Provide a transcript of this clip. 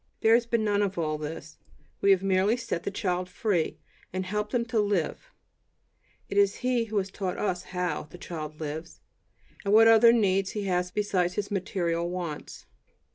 There has been none of all this; we have merely set the child free, and helped him to "live." It is he who has taught us "how" the child lives, and what other needs he has besides his material wants.